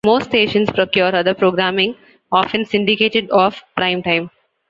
Most stations procure other programming, often syndicated, off prime time.